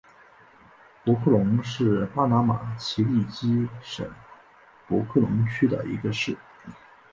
博克龙是巴拿马奇里基省博克龙区的一个市。